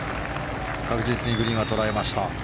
確実にグリーンはとらえました。